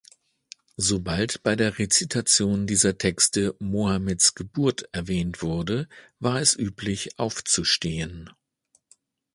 Sobald bei der Rezitation dieser Texte Mohammeds Geburt erwähnt wurde, war es üblich, aufzustehen.